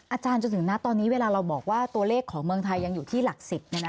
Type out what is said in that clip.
จนถึงณตอนนี้เวลาเราบอกว่าตัวเลขของเมืองไทยยังอยู่ที่หลัก๑๐